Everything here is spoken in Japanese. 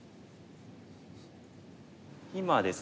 今ですね